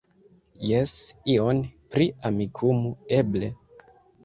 Jes, ion pri Amikumu, eble?